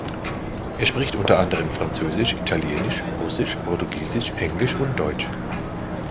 Er spricht unter anderem französisch, italienisch, russisch, portugiesisch, englisch und deutsch.